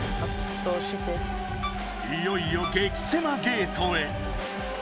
いよいよ激せまゲートへ。